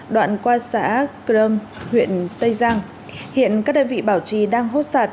đoạn qua xã crom huyện tây giang hiện các đơn vị bảo trì đang hốt sạt